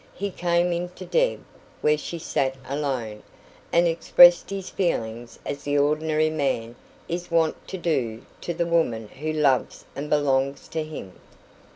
He came in to Deb where she sat alone, and expressed his feelings as the ordinary man is wont to do to the woman who loves and belongs to him.